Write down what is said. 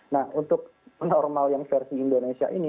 nah untuk normal yang versi di indonesia ini